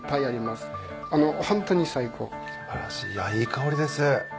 あっいい香りです。